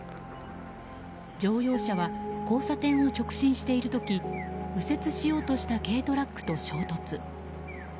乗用車は交差点を直進しようとしている時右折しようとした軽トラックと衝突。